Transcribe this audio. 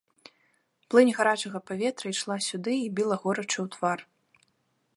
Плынь гарачага паветра ішла сюды і біла горача ў твар.